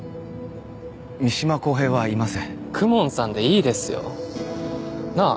三島公平はいません公文さんでいいですよなあ？